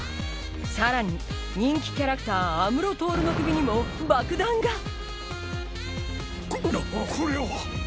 さらに人気キャラクター安室透の首にも爆弾がこっこれは。